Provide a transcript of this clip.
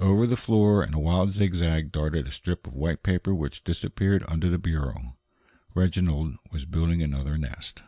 Over the floor in a wild zigzag darted a strip of white paper which disappeared under the bureau. Reginald was building another nest.